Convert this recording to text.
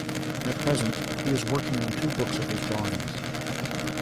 At present he is working on two books of his drawings.